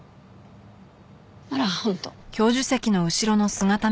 あら本当。